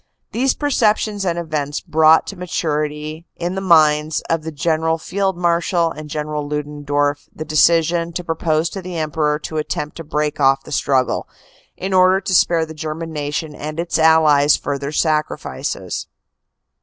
" These perceptions and events brought to maturity in the 284 CANADA S HUNDRED DAYS minds of the General Field Marshal and General Ludendorff the decision, to propose to the Emperor to attempt to break off the struggle, in order to spare the German nation and its allies further sacrifices.